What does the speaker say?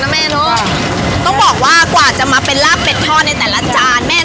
แม่ทำกับจานต่อจานใช่ไหมแม่